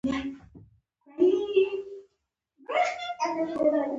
راځئ د پرون د نجات تفکر د نن امکاناتو محور ته راوړوو.